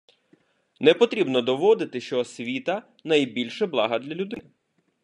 Не потрібно доводити, що освіта - найбільше благо для людини.